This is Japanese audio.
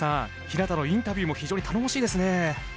日向のインタビューも非常に頼もしいですね。